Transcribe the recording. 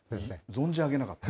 存じ上げなかった。